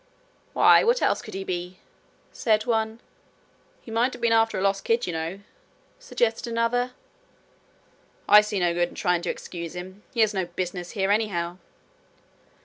'Why, what else could he be?' said one. 'He might have been after a lost kid, you know,' suggested another. 'I see no good in trying to excuse him. He has no business here, anyhow.'